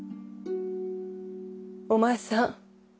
お前さん